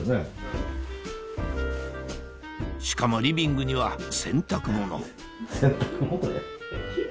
しかもリビングには洗濯物洗濯物？